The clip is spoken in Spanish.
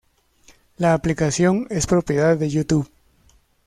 La aplicación es propiedad de YouTube.